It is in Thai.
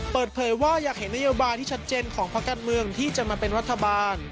เปิดเผยว่าอยากเห็นนโยบายที่ชัดเจนของภาคการเมืองที่จะมาเป็นรัฐบาล